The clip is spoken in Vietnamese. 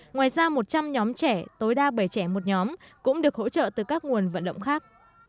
ngoài ra một trăm linh nhóm trẻ tối đa bảy trẻ một nhóm cũng được hỗ trợ từ các nguồn vận động khác